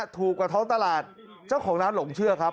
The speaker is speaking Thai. ถูกกว่าท้องตลาดเจ้าของร้านหลงเชื่อครับ